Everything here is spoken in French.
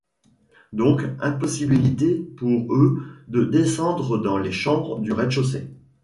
Donc, impossibilité pour eux de descendre dans les chambres du rez-de-chaussée.